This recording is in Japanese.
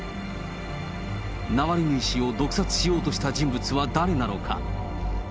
ナワリヌイ氏を毒殺しようとした人物は誰なのか。